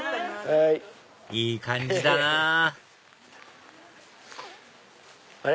いい感じだなぁあれ？